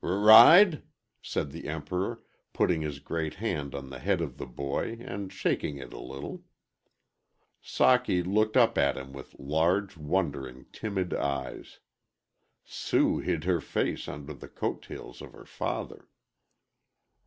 "R ride?" said the Emperor, putting his great hand on the head of the boy and shaking it a little. Socky looked up at him with large, wondering, timid eyes. Sue hid her face under the coat tails of her father.